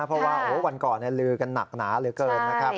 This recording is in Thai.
เพราะว่าวันก่อนลือกันหนักหนาเหลือเกินนะครับ